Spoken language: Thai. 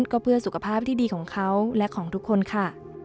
ก็เพื่อสุขภาพที่ดีของเขาและของทุกคนค่ะ